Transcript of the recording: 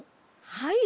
はい。